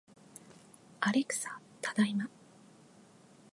アレクサ、ただいま